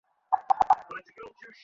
বালকদের অত্যন্ত ক্লান্ত দেখাইতেছে।